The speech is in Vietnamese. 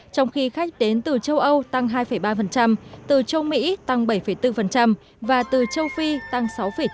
trong khi khách đến từ châu âu tăng hai ba từ châu mỹ tăng bảy bốn và từ châu phi tăng sáu chín